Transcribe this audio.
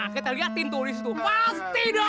kita liatin tuh disitu pasti dia